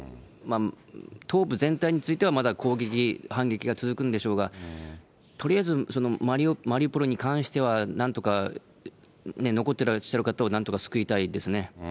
東部全体についてはまだ攻撃、反撃が続くんでしょうが、とりあえずマリウポリに関しては、なんとか残ってらっしゃる方をなんとか救いたいですね。